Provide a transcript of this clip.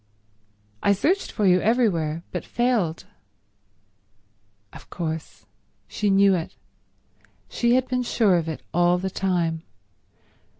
"I searched for you everywhere, but failed—" Of course. She knew it. She had been sure of it all the time.